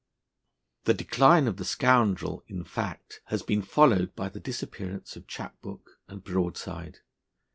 The decline of the Scoundrel, in fact, has been followed by the disappearance of chap book and broadside.